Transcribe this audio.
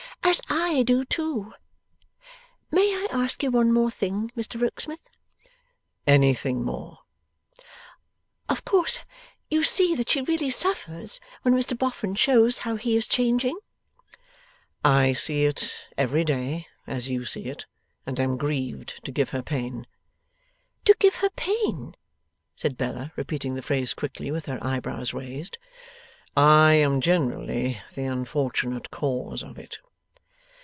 'As I do too! May I ask you one thing more, Mr Rokesmith?' 'Anything more.' 'Of course you see that she really suffers, when Mr Boffin shows how he is changing?' 'I see it, every day, as you see it, and am grieved to give her pain.' 'To give her pain?' said Bella, repeating the phrase quickly, with her eyebrows raised. 'I am generally the unfortunate cause of it.